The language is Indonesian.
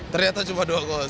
ternyata cuma dua